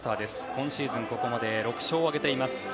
今シーズン、ここまで６勝を挙げています。